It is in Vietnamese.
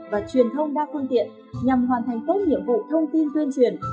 và truyền thông đa phương tiện nhằm hoàn thành tốt nhiệm vụ thông tin tuyên truyền